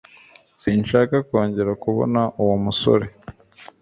sinshaka kongera kubona uwo musore